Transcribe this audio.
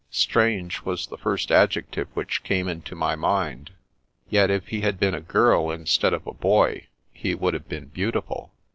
" Strange " was the first adjective which came into my mind ; yet, if he had been a girl instead of a boy, he would have been beautiful.